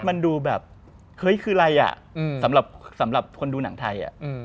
มันดูแบบคือไรล่ะสำหรับคนดูหนังไทย